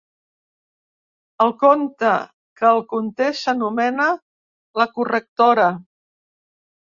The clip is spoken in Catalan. El conte que el conté s'anomena «La correctora».